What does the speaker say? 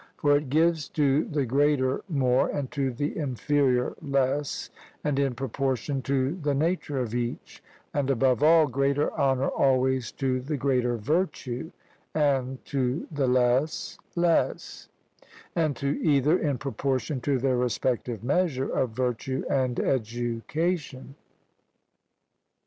For it gives to the greater more, and to the inferior less and in proportion to the nature of each; and, above all, greater honour always to the greater virtue, and to the less less; and to either in proportion to their respective measure of virtue and education.